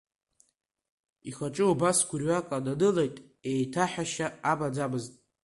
Ихаҿы убас гәырҩак нанылеит, еиҭаҳәашьа амаӡамызт.